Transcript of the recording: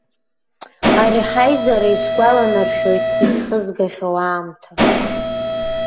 Ари ҳаизара исгәаланаршәоит исхызгахьоу аамҭа.